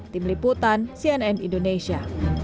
tim liputan cnn indonesia